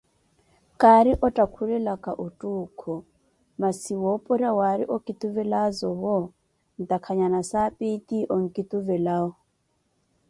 Kaari ottakhulelaka ottuukho, masi woopora waari okituvelazowo ntakhanya nasapi eti onkituvelawo.